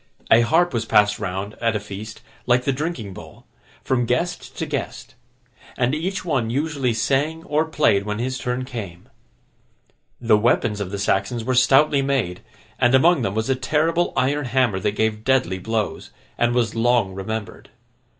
A harp was passed round, at a feast, like the drinking bowl, from guest to guest; and each one usually sang or played when his turn came. The weapons of the Saxons were stoutly made, and among them was a terrible iron hammer that gave deadly blows, and was long remembered.